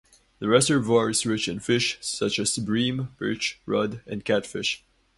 The reservoir is rich in fish such as bream, perch, rudd, and catfish.